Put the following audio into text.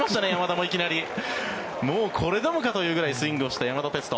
もうこれでもかというぐらいスイングをした山田哲人。